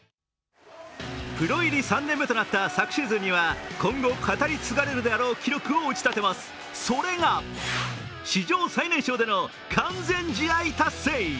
プロ入り３年目となった昨シーズンには、今後、語り継がれるであろう記録を打ち立てます、それが史上最年少での完全試合達成。